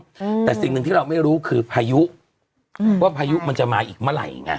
อืมแต่สิ่งหนึ่งที่เราไม่รู้คือพายุอืมว่าพายุมันจะมาอีกเมื่อไหร่ไง